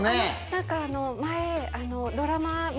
何か前。